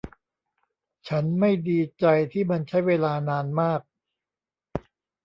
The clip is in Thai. ฉันไม่ดีใจที่มันใช้เวลานานมาก